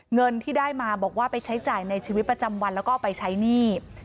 เงินที่ได้มาบอกว่าไปใช้จ่ายในชีวิตประจำวันแล้วก็เอาไปใช้หนี้